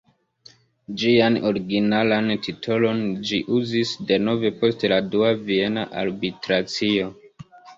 Ĝian originalan titolon ĝi uzis denove post la dua Viena arbitracio.